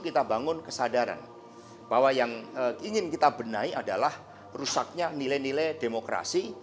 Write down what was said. kita bangun kesadaran bahwa yang ingin kita benahi adalah rusaknya nilai nilai demokrasi